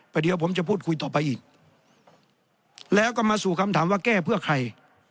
เดี๋ยวผมจะพูดคุยต่อไปอีกแล้วก็มาสู่คำถามว่าแก้เพื่อใคร